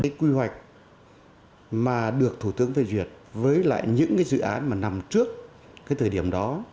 cái quy hoạch mà được thủ tướng phê duyệt với lại những cái dự án mà nằm trước cái thời điểm đó